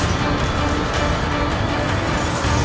silawahi kamu mengunuh keluarga ku di pesta perjamuan